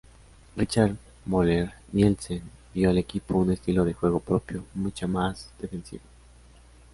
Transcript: Richard Møller Nielsen dio al equipo un estilo de juego propio, mucha más defensivo.